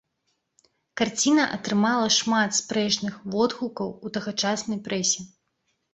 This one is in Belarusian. Карціна атрымала шмат спрэчных водгукаў у тагачаснай прэсе.